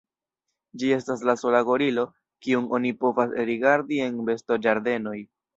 Ĝi estas la sola gorilo, kiun oni povas rigardi en bestoĝardenoj.